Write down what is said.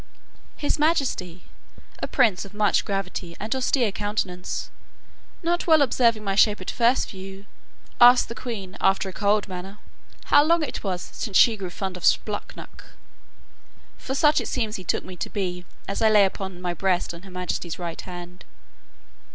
His majesty, a prince of much gravity and austere countenance, not well observing my shape at first view, asked the queen after a cold manner "how long it was since she grew fond of a splacnuck?" for such it seems he took me to be, as I lay upon my breast in her majesty's right hand.